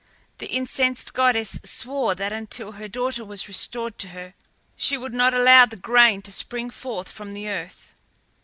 The incensed goddess swore that until her daughter was restored to her she would not allow the grain to spring forth from the earth.